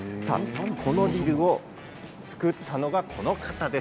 このビルを造ったのがこの方です。